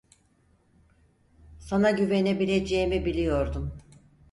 Sana güvenebileceğimi biliyordum.